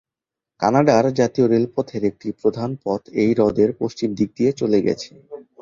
কানাডার জাতীয় রেলপথের একটি প্রধান পথ এই হ্রদের পশ্চিম দিক দিয়ে চলে গেছে।